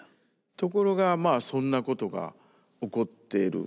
ところがそんなことが起こっている。